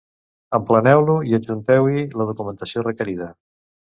Empleneu-lo i adjunteu-hi la documentació requerida.